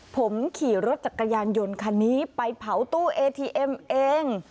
ผมขี่รถจักรยานยนต์คันนี้ไปเผาตู้เอทีเอ็มเอง